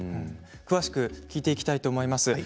詳しく聞いていきたいと思います。